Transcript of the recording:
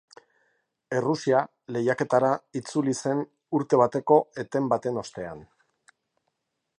Errusia lehiaketara itzuli zen urte bateko eten baten ostean.